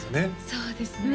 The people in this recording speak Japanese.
そうですね